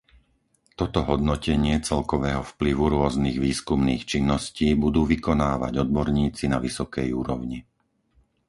Toto hodnotenie celkového vplyvu rôznych výskumných činností budú vykonávať odborníci na vysokej úrovni.